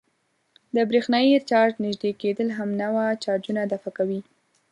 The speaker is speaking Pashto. د برېښنايي چارج نژدې کېدل همنوع چارجونه دفع کوي.